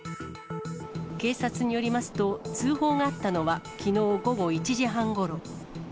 警察によりますと、通報があったのはきのう午後１時半ごろ。